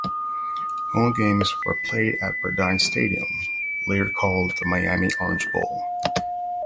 Home games were played at Burdine Stadium, later called the Miami Orange Bowl.